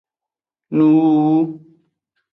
Nuwuwu.